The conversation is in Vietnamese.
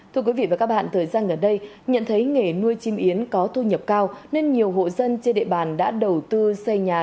thưa quý vị và các bạn thời gian gần đây nhận thấy nghề nuôi chim yến có thu nhập cao nên nhiều hộ dân trên địa bàn đã đầu tư xây nhà